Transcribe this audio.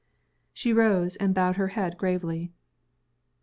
She rose, and bowed her head gravely.